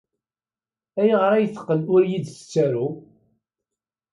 Ayɣer ay teqqel ur iyi-d-tettaru?